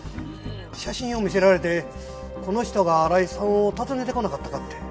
写真を見せられてこの人が荒井さんを訪ねてこなかったかって。